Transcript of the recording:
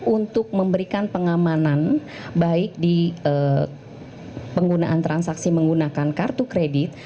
untuk memberikan pengamanan baik di penggunaan transaksi menggunakan kartu kredit